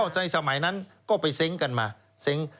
ในสมัยนั้นก็ไปเซ้งกันมาเซ้ง